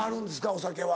お酒は。